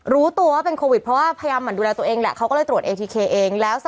รู้ตัวว่าเป็นโควิดเพราะว่าพยายามหมั่นดูแลตัวเองแหละ